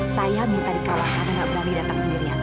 saya minta dikawal karena gak berani datang sendirian